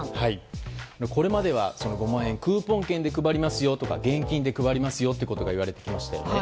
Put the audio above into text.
これまではその５万円クーポン券で配りますよとか現金で配りますよということが言われてきましたよね。